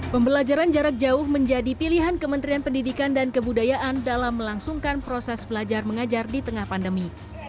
pembelajaran jarak jauh menjadi pilihan kementerian pendidikan dan kebudayaan dalam melangsungkan proses belajar mengajar di tengah pandemi